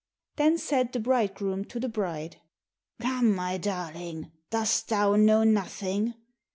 Then said the bridegroom to the bride, "Come, my darling, dost thou know nothing?